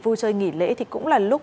vui chơi nghỉ lễ thì cũng là lúc